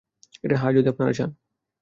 হ্যাঁ, যদি আপনারা চান।